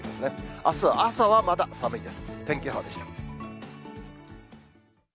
あすは朝はまだ寒いです。